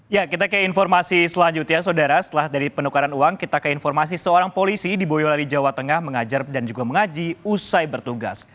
ya kita ke informasi selanjutnya saudara setelah dari penukaran uang kita ke informasi seorang polisi di boyolali jawa tengah mengajar dan juga mengaji usai bertugas